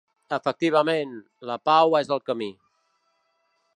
Efectivament, la pau és el camí.